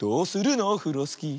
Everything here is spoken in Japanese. オフロスキー」